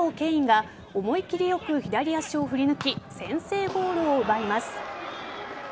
允が思い切りよく左足を振り抜き先制ゴールを奪います。